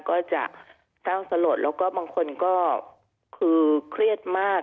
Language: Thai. ก็จะเศร้าสลดแล้วก็บางคนก็คือเครียดมาก